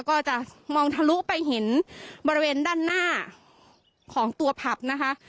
ก็จะมองทะลุไปเห็นบริเวณด้านหน้าของตัวผับนะคะ